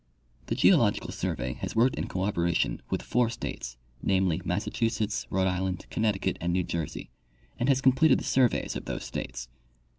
The Geological survey has worked in cooperation with four states, namely, Massachusetts, Rhode Island, Connecticut and New Jersey, and has completed the surveys of these states.